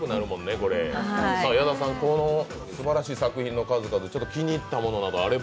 矢田さん、すばらしい作品の数々、気に入ったものがあれば。